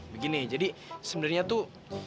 begini jadi sebenarnya tuh